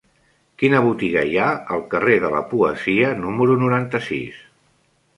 Quina botiga hi ha al carrer de la Poesia número noranta-sis?